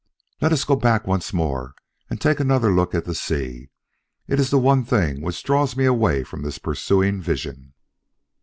Let us go back once more and take another look at the sea. It is the one thing which draws me away from this pursuing vision."